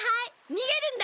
逃げるんだ！